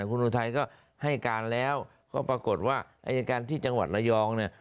คุณอุทัยก็ให้การแล้วก็ปรากฏว่าอายการที่จังหวัดระยองเนี่ย